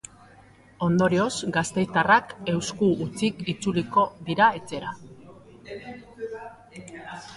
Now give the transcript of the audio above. Ondorioz, gasteiztarrak eusku hutsik itzuliko dira etxera.